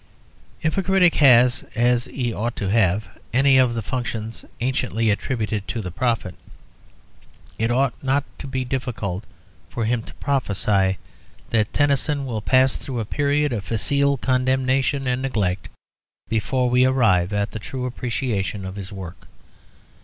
If a critic has, as he ought to have, any of the functions anciently attributed to a prophet, it ought not to be difficult for him to prophesy that Tennyson will pass through a period of facile condemnation and neglect before we arrive at the true appreciation of his work.